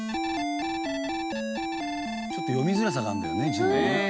「ちょっと読みづらさがあるんだよね字もね」